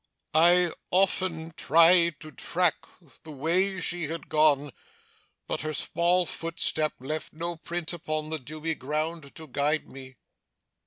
I often tried to track the way she had gone, but her small footstep left no print upon the dewy ground, to guide me.